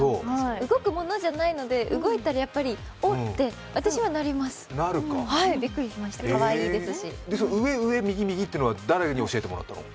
動くものじゃないので、動いたらやっぱり、びっくりしました、かわいいですし上上右右っていうのは誰に教わったの？